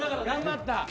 頑張った。